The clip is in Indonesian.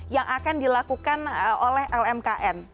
yang akan dilakukan oleh lmkn